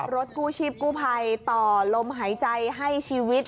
รถกู้ชีพกู้ภัยต่อลมหายใจให้ชีวิต